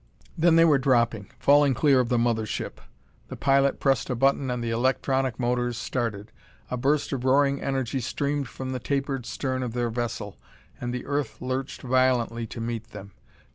Then they were dropping; falling clear of the mother ship. The pilot pressed a button and the electronic motors started. A burst of roaring energy streamed from the tapered stern of their vessel and the earth lurched violently to meet them.